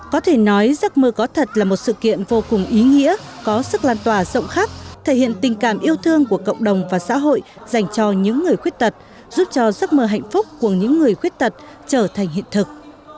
có thể nói giấc mơ có thật là một sự kiện vô cùng ý nghĩa có sức lan tỏa rộng khắp thể hiện tình cảm yêu thương của cộng đồng và xã hội dành cho những người khuyết tật giúp cho giấc mơ hạnh phúc của những người khuyết tật trở thành hiện thực